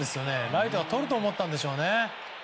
ライトがとると思ったんでしょうね。